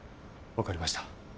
分かりました。